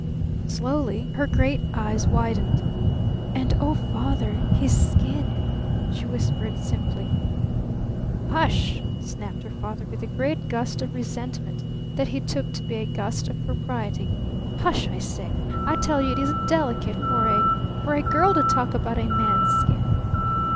Slowly her great eyes widened. "And oh, Father, his skin!" she whispered simply. "Hush!" snapped her father with a great gust of resentment that he took to be a gust of propriety. "Hush, I say! I tell you it isn't delicate for a for a girl to talk about a man's skin!"